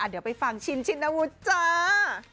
เดี๋ยวไปฟังชินชินวุฒิจ้า